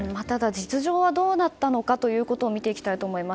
実情はどうなったのかというのを見ていきたいと思います。